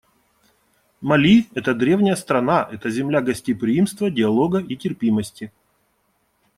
Мали — это древняя страна, это земля гостеприимства, диалога и терпимости.